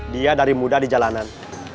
dia dari muda di jalanan